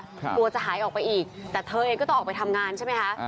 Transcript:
กลัวจะหายออกไปอีกแต่เธอเองก็ต้องออกไปทำงานใช่ไหมคะ